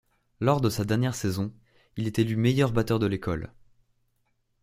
Lors de sa dernière saison il est élu meilleur batteur de l’école.